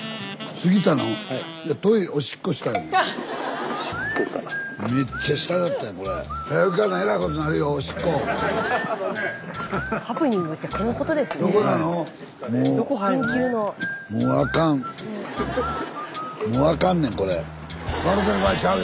スタジオもうあかんねんこれ。